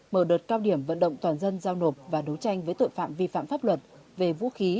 mở đợt cao điểm vận động toàn dân giao nộp và đấu tranh với tội phạm vi phạm pháp luật về vũ khí